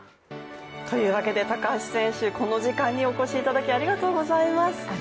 高橋選手、この時間にお越しいただきありがとうございます。